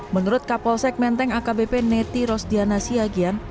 menurut kapolsek menteng akbp neti rosdiana siagian